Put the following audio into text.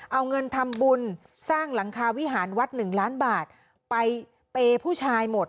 เอาเงินทำบุญสร้างหลังคาวิหารวัดหนึ่งล้านบาทไปเปย์ผู้ชายหมด